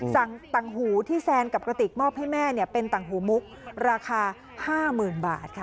ต่างหูที่แซนกับกระติกมอบให้แม่เป็นต่างหูมุกราคา๕๐๐๐บาทค่ะ